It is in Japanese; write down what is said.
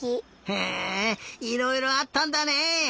へえいろいろあったんだね！